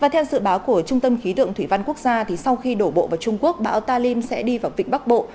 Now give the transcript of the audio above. theo dự báo của trung tâm khí tượng thủy văn quốc gia sau khi đổ bộ vào trung quốc bão talim sẽ đi vào vịnh bắc bộ